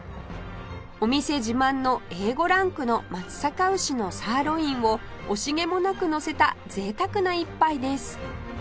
お店自慢の Ａ５ ランクの松阪牛のサーロインを惜しげもなくのせた贅沢な一杯です